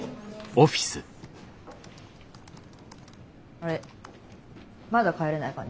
あれまだ帰れない感じ？